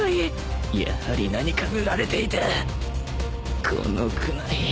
やはり何か塗られていたこのクナイ